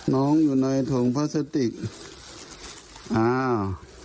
น้องอยู่ในถุงพลาสติกอ้าว